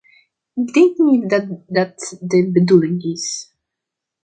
Ik denk niet dat dat de bedoeling is.